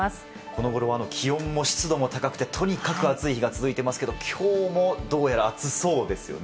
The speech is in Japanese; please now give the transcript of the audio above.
この頃、気温も湿度も高くて、とにかく暑い日が続いてますけれども、今日もどうやら暑そうですよね。